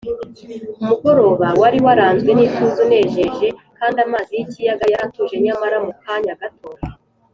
umugoroba wari waranzwe n’ituze, unejeje, kandi amazi y’ikiyaga yari atuje; nyamara mu kanya gato,